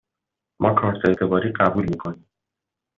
ما کارت اعتباری قبول می کنیم.